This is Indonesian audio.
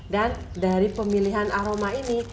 dan dari pemilihan aroma ini